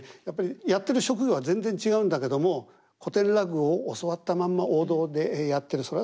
やっぱりやってる職業は全然違うんだけども古典落語を教わったまんま王道でやってる。